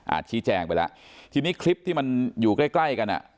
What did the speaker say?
อาจคิดแจกไปแล้วทีนี้คลิปที่มันอยู่ใกล้กันน่ะ